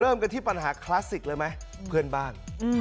เริ่มกันที่ปัญหาคลาสสิกเลยไหมเพื่อนบ้าน